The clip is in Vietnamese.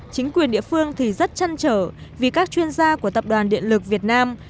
chính quyền địa phương thì rất chăn trở vì các chuyên gia của tập đoàn điện lực việt nam